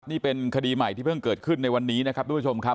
นี่เป็นคดีใหม่ที่เพิ่งเกิดขึ้นในวันนี้นะครับทุกผู้ชมครับ